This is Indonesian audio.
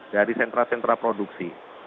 dari sentra sentra produksi